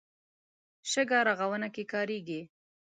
شګه رغونه کې کارېږي.